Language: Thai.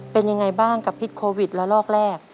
เป็นยังไงบ้างกับพิษโควิดละลอกแรก